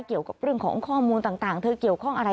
เกี่ยวกับเรื่องของข้อมูลต่างเธอเกี่ยวข้องอะไร